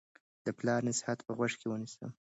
د پلار نصیحت په غوږ کې ونیسئ.